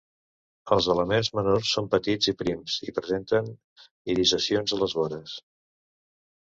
Els elements menors són petits i prims i presenten irisacions a les vores.